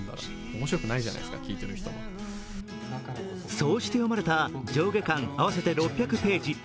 そうして読まれた上下巻合わせて６００ページ。